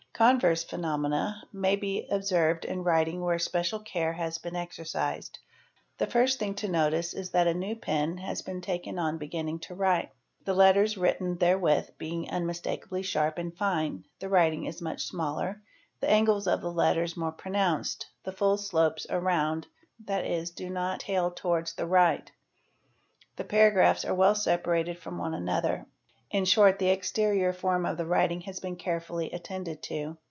) Converse phenomena may be observed in writing where special care has been exercised. The first thing to notice is that a new pen has been taken on beginning to write, the letters written therewith being unmistakably sharp and fine; the writing is much smaller, the angles of the letters more pronounced, the full stops are round, (?.e., do not tail towards the right), the paragraphs are well separated from one another ; 'in short the exterior form of the writing has been carefully attended to.